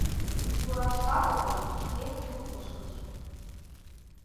Торашкат огыл — шке суртышкыжо.